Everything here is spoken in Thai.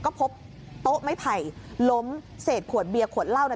ก็พบโต๊ะไม่ไผ่ล้มเสร็จขวดเบียกขวดเหล้าน่ะ